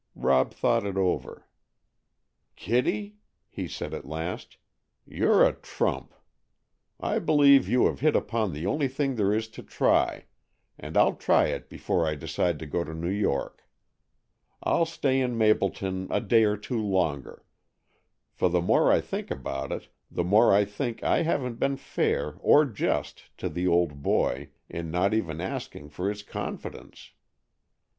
Rob thought it over. "Kitty," he said at last, "you're a trump. I believe you have hit upon the only thing there is to try, and I'll try it before I decide to go to New York. I'll stay in Mapleton a day or two longer, for the more I think about it, the more I think I haven't been fair or just to the old boy in not even asking for his confidence."